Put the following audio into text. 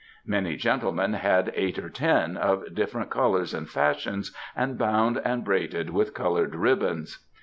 Many gentle AMERICAN WOMEN 287 men had eight or ten, of different colours and fashions, and bound and braided with coloured ribbons.